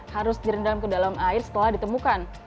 harus direndam ke dalam air setelah ditemukan